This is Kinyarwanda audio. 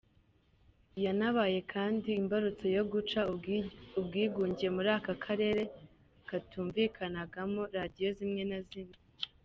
Yanabaye kandi imbarutso yo guca ubwigunge muri aka karere katumvikanagamo radiyo zimwe na zimwe.